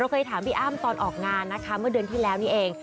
เคยถามพี่อ้ำตอนออกงานนะคะเมื่อเดือนที่แล้วนี่เอง